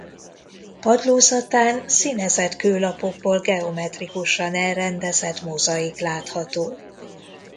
Padlózatán színezett kőlapokból geometrikusan elrendezett mozaik látható.